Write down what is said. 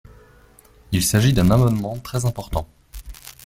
Il s’agit d’un amendement très important.